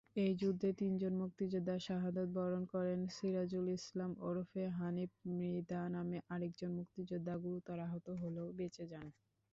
এই যুদ্ধে তিনজন মুক্তিযোদ্ধা শাহাদাত বরণ করেন, সিরাজুল ইসলাম ওরফে হানিফ মৃধা নামে আরেকজন মুক্তিযোদ্ধা গুরুতর আহত হলেও বেঁচে যান।